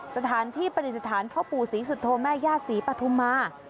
สถานที่ประดิษฐานพ่อปู่ศรีสุโธแม่ญาติศรีปฐุมา